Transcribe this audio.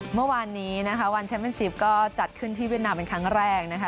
เมื่อวานนี้นะคะวันแชมป์เป็น๑๐ก็จัดขึ้นที่เวียดนามเป็นครั้งแรกนะคะ